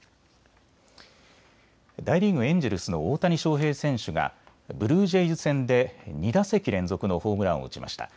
大リーグ、エンジェルスの大谷翔平選手がブルージェイズ戦で２打席連続のホームランを打ちました。